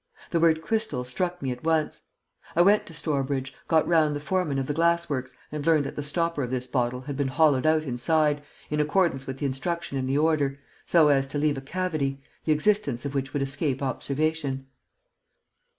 The word 'crystal' struck me at once. I went to Stourbridge, got round the foreman of the glass works and learnt that the stopper of this bottle had been hollowed out inside, in accordance with the instruction in the order, so as to leave a cavity, the existence of which would escape observation."